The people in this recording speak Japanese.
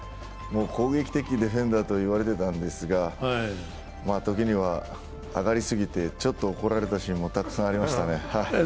攻撃的ディフェンダーと言われていたんですが、時には上がりすぎてちょっと怒られたシーンもたくさんありましたね。